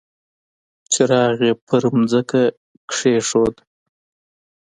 څراغ يې پر ځمکه کېښود.